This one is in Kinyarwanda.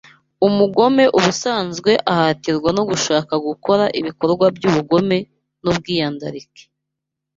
umugome ubusanzwe ahatirwa no gushaka gukora ibikorwa by'ubugome n'ubwiyandarike